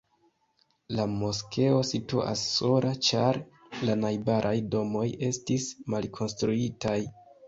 La moskeo situas sola, ĉar la najbaraj domoj estis malkonstruitaj.